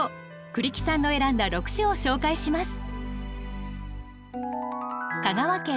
栗木さんの選んだ６首を紹介します。